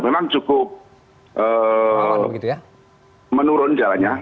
memang cukup menurun jalannya